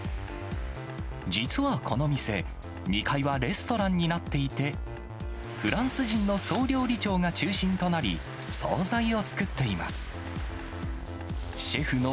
実はこの店、２階はレストランになっていて、フランス人の総料理長が中心となり、総菜を作っています。